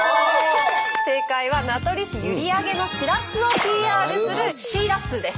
正解は名取市閖上のしらすをＰＲするシー・ラッスーです。